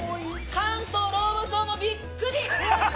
関東ローム層もびっくり！